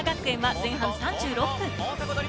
前半３６分。